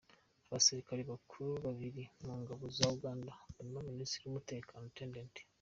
Abasirikare bakuru babiri mu Ngabo za Uganda, barimo Minisitiri w’Umutekano, Lt.